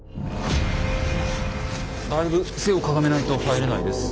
だいぶ背をかがめないと入れないです。